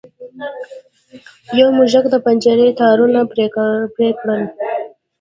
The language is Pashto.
یو موږک د پنجرې تارونه پرې کړل.